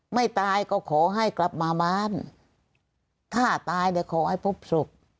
ไม่ตายก็ขอให้กลับมาบ้านถ้าตายเดี๋ยวขอให้พบศพ